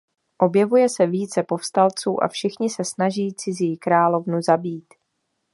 Objevuje se více povstalců a všichni se snaží cizí královnu zabít.